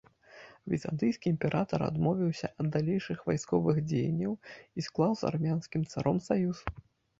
Візантыйскі імператар адмовіўся ад далейшых вайсковых дзеянняў і склаў з армянскім царом саюз.